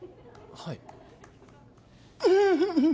はい。